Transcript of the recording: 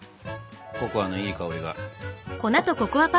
ココアのいい香りが。